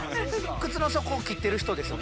靴の底を切ってる人ですよね？